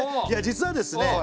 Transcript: いや実はですね